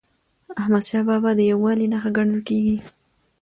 احمدشاه بابا د یووالي نښه ګڼل کېږي.